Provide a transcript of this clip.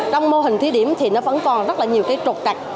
trong mô hình thí điểm thì nó vẫn còn rất là nhiều cái trục trặc